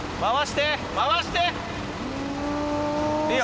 いいよ